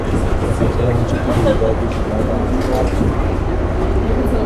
به خاطر آنچه که روی داد او دیگر با آنها حرف نمیزند.